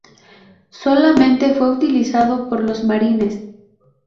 Solamente fue utilizado por los Marines.